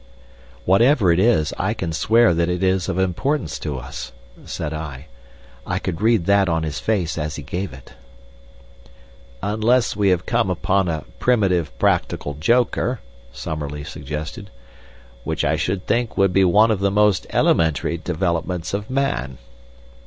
"Whatever it is, I can swear that it is of importance to us," said I. "I could read that on his face as he gave it." "Unless we have come upon a primitive practical joker," Summerlee suggested, "which I should think would be one of the most elementary developments of man."